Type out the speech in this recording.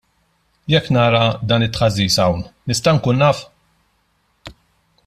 Jekk nara dan it-taħżiż hawn, nista' nkun naf?